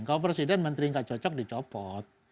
kalau presiden menteri nggak cocok dicopot